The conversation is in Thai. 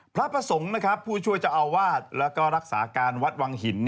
พระประสงค์นะครับผู้ช่วยเจ้าอาวาสแล้วก็รักษาการวัดวังหิน